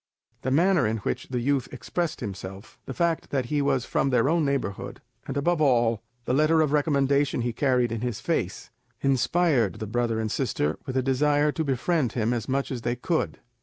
The manner in which the youth expressed himself, the fact that he was from their own neighbourhood, and above all, the letter of recommendation he carried in his face, inspired the brother and sister with a desire to befriend him as much as they could.